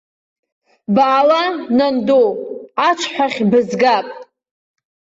Баала, нанду, аҽҳәахь бызгап.